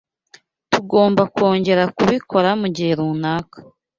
Tugomba kongera kubikora mugihe runaka.